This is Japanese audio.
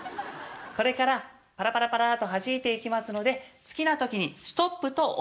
これからパラパラパラっとはじいていきますので好きな時に「ストップ」とおっしゃってください。